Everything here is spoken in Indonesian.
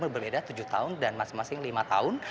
berbeda tujuh tahun dan masing masing lima tahun